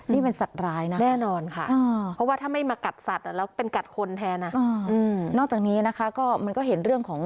นี่เป็นสัตว์ร้ายนะค่ะค่ะโอ้โฮ